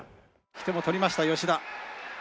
引き手も取りました吉田。